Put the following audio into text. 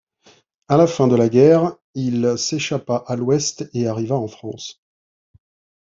À la fin de la guerre, il s'échappa à l'Ouest et arriva en France.